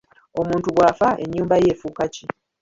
Omuntu bw'afa ennyumba ye efuuka ki?